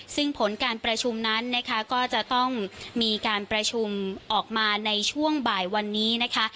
ซึ่งผลการประชุมนั้นนะคะก็จะต้องมีการประชุมออกมาในช่วงบ่ายวันนี้นะคะ